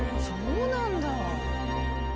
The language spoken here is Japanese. そうなんだ！